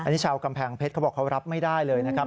อันนี้ชาวกำแพงเพชรเขาบอกเขารับไม่ได้เลยนะครับ